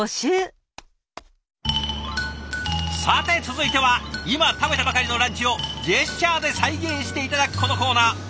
さて続いては今食べたばかりのランチをジェスチャーで再現して頂くこのコーナー。